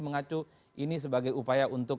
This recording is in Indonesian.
mengacu ini sebagai upaya untuk